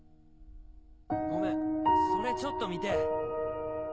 ごめんそれちょっと見てぇ。